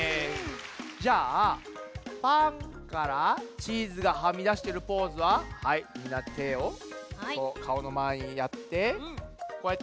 じゃあパンからチーズがはみだしてるポーズははいみんなてをかおのまえにやってこうやって「やあ」。